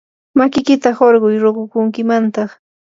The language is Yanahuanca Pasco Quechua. makikita qurquy ruqukuntimantaq.